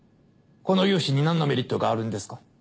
この融資に何のメリットがあるんですか？